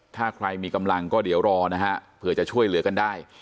ถ้าใครมีกำลังก็เดี๋ยวรอนะฮะเผื่อจะช่วยเหลือกันได้